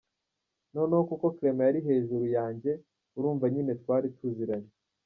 Noneho kuko Clement yari hejuru yanjye urumva nyine twari tuziranye.